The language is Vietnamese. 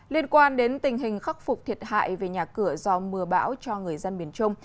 liên quan đến tình hình khắc phục thiệt hại về nhà cửa do mưa bão cho người dân miền trung